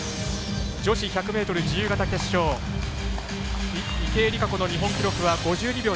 女子１００ｍ自由形決勝池江璃花子の日本記録は５２秒７９。